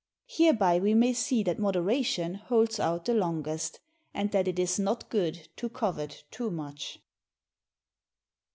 Hereby we may see that moderation holds out the longest, and that it is not good to covet too much.